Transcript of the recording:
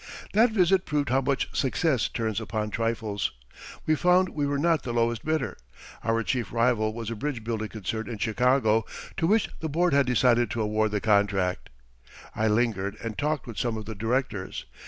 That visit proved how much success turns upon trifles. We found we were not the lowest bidder. Our chief rival was a bridge building concern in Chicago to which the board had decided to award the contract. I lingered and talked with some of the directors.